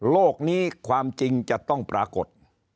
โลกนี้ความจริงจะต้องปรากฏ